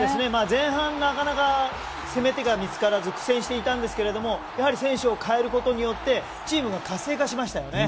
前半なかなか攻め手が見つからず苦戦していたんですが選手を代えることによってチームが活性化しましたよね。